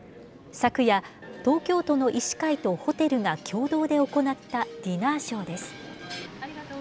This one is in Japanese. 昨夜、東京都の医師会とホテルが共同で行ったディナーショーです。